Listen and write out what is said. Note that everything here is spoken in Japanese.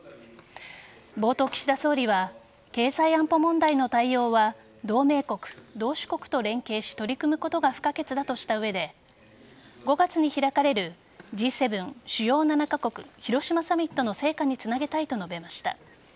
冒頭、岸田総理は経済安保問題の対応は同盟国同士国と連携し取り組むことが不可欠だとした上で５月に開かれるＧ７＝主要７カ国広島サミットの成果につなげたいと述べました。